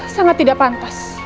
sangat tidak pantas